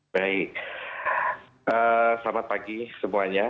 baik selamat pagi semuanya